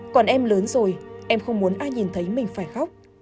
còn em lớn rồi em không muốn ai nhìn thấy mình phải khóc